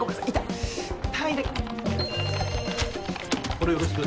これよろしく。